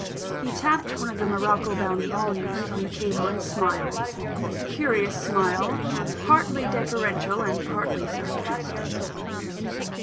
He tapped one of the morocco bound volumes on the table, and smiled a curious smile, partly deferential and partly sarcastic.